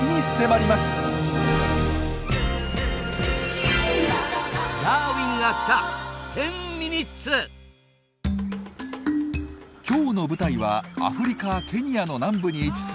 今日の舞台はアフリカケニアの南部に位置するジペ湖です。